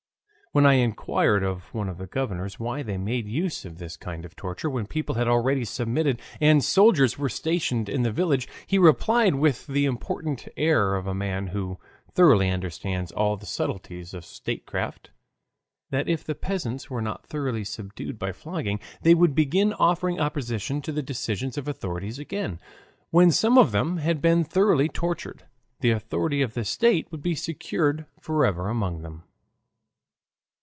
When I inquired of one of the governors why they made use of this kind of torture when people had already submitted and soldiers were stationed in the village, he replied with the important air of a man who thoroughly understands all the subtleties of statecraft, that if the peasants were not thoroughly subdued by flogging, they would begin offering opposition to the decisions of authorities again. When some of them had been thoroughly tortured, the authority of the state would be secured forever among them.